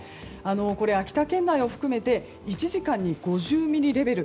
これ、秋田県内を含めて１時間に５０ミリレベル。